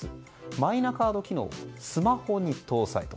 マイナカード機能をスマホに搭載。